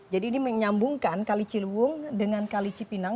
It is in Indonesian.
jadi ini menyambungkan kali ciliwung dengan kali cipinang